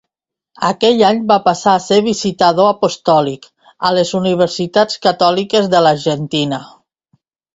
Aquell any va passar a ser Visitador Apostòlic a les universitats catòliques de l'Argentina.